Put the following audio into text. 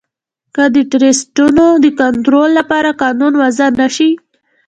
که د ټرسټونو د کنترول لپاره قانون وضعه نه شي